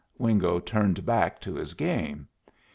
Wingo turned back to his game.